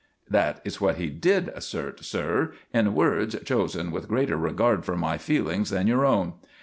"That is what he did assert, sir, in words chosen with greater regard for my feelings than your own.